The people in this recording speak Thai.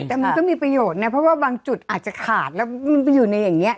แต่มันก็มีประโยชน์นะเพราะว่าบางจุดอาจจะขาดแล้วมันไปอยู่ในอย่างนี้